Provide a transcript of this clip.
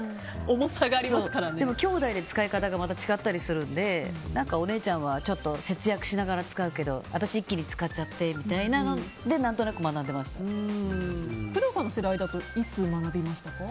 でも、きょうだいで使い方が違ったりするのでお姉ちゃんは節約しながら使うけど私は一気に使っちゃってみたいなので工藤さんの世代だといつ学びましたか？